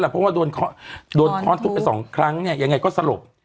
เพราะว่าโดนค้อนทุบไปสองครั้งเนี่ยยังไงก็สลบ